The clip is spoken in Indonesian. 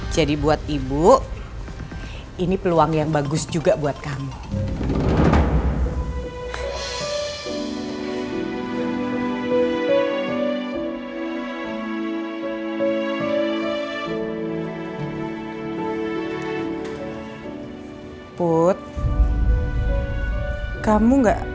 jadi buat ibu ini peluang yang bagus juga buat kamu